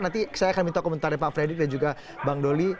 nanti saya akan minta komentar dari pak fredy dan juga bang doli